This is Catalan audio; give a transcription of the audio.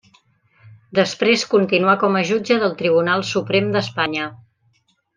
Després continuà com a jutge del Tribunal Suprem d'Espanya.